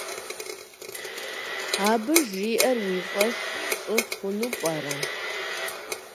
Абы жиӏэр уи фӏэщ пщӏы хъуну пӏэрэ?